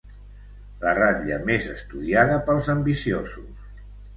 La ratlla més estudiada pels ambiciosos.